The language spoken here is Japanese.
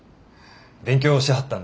勉強しはったんですな。